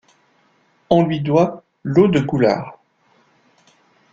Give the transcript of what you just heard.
On lui doit l'eau de Goulard.